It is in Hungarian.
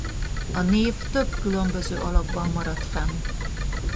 A név több különböző alakban maradt fenn.